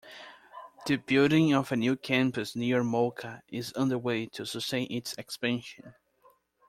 The building of a new campus near Moka, is underway to sustain its expansion.